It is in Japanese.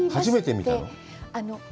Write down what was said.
初めて見たの？